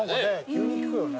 急に聞くよね。